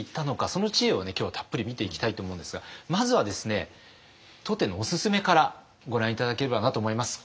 その知恵を今日はたっぷり見ていきたいと思うんですがまずはですね当店のおすすめからご覧頂ければなと思います。